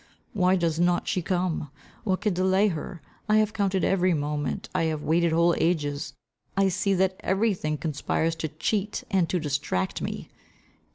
"Why does not she come? What can delay her? I have counted every moment. I have waited whole ages. I see, I see, that every thing conspires to cheat, and to distract me.